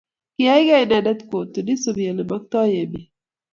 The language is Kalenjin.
Kiyaygei inendet kotuni isubi olemagtai emet